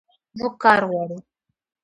موږ کار غواړو